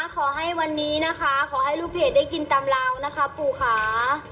ขอให้วันนี้นะคะขอให้ลูกเพจได้กินตามเรานะคะปูค่ะ